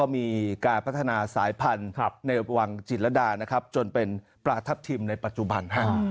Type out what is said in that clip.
มีการพัฒนาสายพันธุ์ในวังจิตรดานะครับจนเป็นปลาทัพทิมในปัจจุบัน